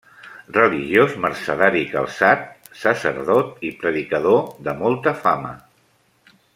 Religiós mercedari calçat, sacerdot i predicador de molta fama.